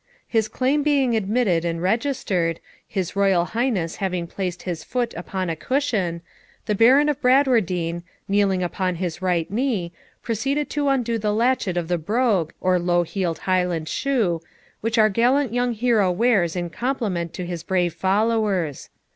His claim being admitted and registered, his Royal Highness having placed his foot upon a cushion, the Baron of Bradwardine, kneeling upon his right knee, proceeded to undo the latchet of the brogue, or low heeled Highland shoe, which our gallant young hero wears in compliment to his brave followers.